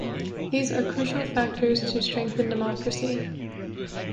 These are crucial factors to strengthen democracy.